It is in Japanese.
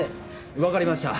分かりました。